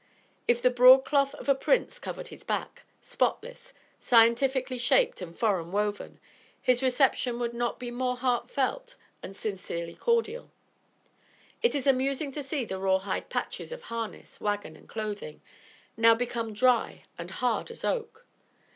If the broadcloth of a prince covered his back, spotless, scientifically shaped and foreign woven, his reception would not be more heartfelt and sincerely cordial. It is amusing to see the raw hide patches of harness, wagon and clothing, now become dry and hard as oak.